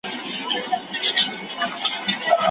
او که برعکس،